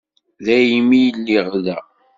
Daymi lliɣ da.